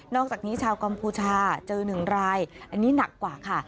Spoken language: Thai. อกจากนี้ชาวกัมพูชาเจอ๑รายอันนี้หนักกว่าค่ะ